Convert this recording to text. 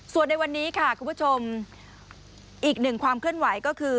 ส่วนในวันนี้ค่ะคุณผู้ชมอีกหนึ่งความเคลื่อนไหวก็คือ